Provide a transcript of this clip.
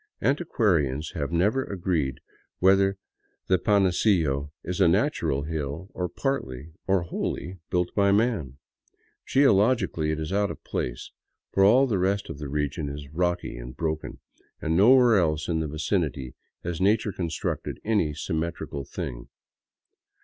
Antiquarians have never agreed whether the Panecillo is a natural hill, or partly or wholly built by man. Geologically it is out of place, for all the rest of the region is rocky and broken, and nowhere else in the vicinity has na ture constructed any symmetrical thing.